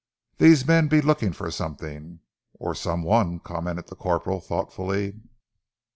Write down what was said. "These men be looking for something." "Or some one!" commented the corporal thoughtfully.